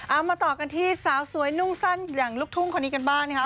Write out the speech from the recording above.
เอามาต่อกันที่สาวสวยนุ่งสั้นอย่างลูกทุ่งคนนี้กันบ้างนะคะ